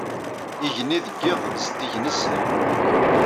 Igenni deg iḍ zeddig nezzeh.